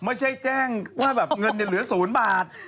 ไม่ใช่แจ้งว่าเงินเหลือศูนย์บาท